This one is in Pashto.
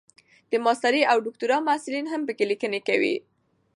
د ماسټرۍ او دوکتورا محصلین هم پکې لیکني کوي.